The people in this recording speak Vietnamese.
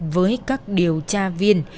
với các điều tra viên